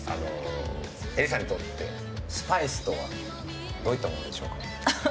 えりさんにとってスパイスとはどういったものでしょうか。